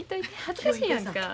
恥ずかしいやんか。